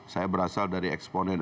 saya berasal dari eksponen